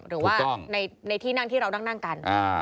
หรือว่าในที่นั่งที่เรานั่งกัน